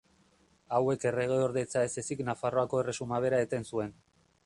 Hauek erregeordetza ez ezik Nafarroako Erresuma bera eten zuen.